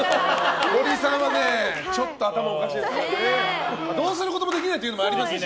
森さんはちょっと頭おかしいですね。